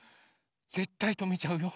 ぜったいとめちゃうよ。